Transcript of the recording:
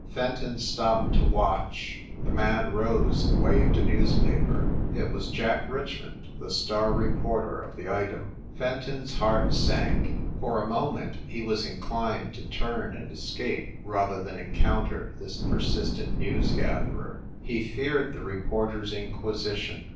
Fenton stopped to watch. The man rose and waved a newspaper. It was Jack Richmond, the star reporter of the Item. Fenton s heart sank. For a moment he was in clined to turn and escape rather than encounter this persistent news gatherer. He feared the report er s inquisition.